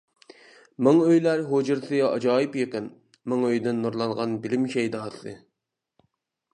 مىڭئۆيلەر ھۇجرىسى ئاجايىپ يېقىن، مىڭئۆيدىن نۇرلانغان بىلىم شەيداسى.